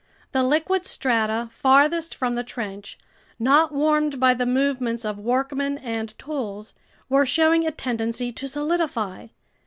The liquid strata farthest from the trench, not warmed by the movements of workmen and tools, were showing a tendency to solidify.